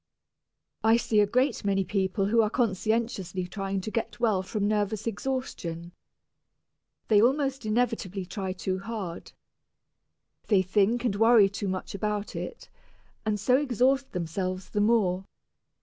I see a great many people who are conscientiously trying to get well from nervous exhaustion. They almost inevitably try too hard. They think and worry too much about it, and so exhaust themselves the more.